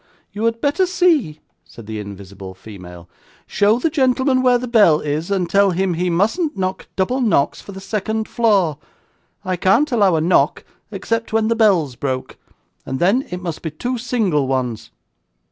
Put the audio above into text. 'You had better see,' said the invisible female. 'Show the gentleman where the bell is, and tell him he mustn't knock double knocks for the second floor; I can't allow a knock except when the bell's broke, and then it must be two single ones.